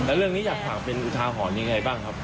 แล้วเรื่องนี้อยากถามเป็นกุญชาหอนอย่างไรบ้างครับ